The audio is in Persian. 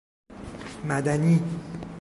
مدنی